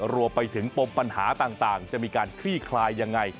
รวมไปถึงปมปัญหาต่างจะมีการคลี่คลายยังไง